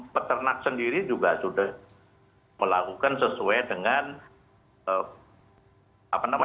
peternak sendiri juga sudah melakukan sesuai dengan